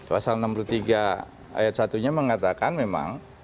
pasal enam puluh tiga ayat satunya mengatakan memang